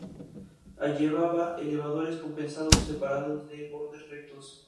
Llevaba elevadores compensados separados de bordes rectos.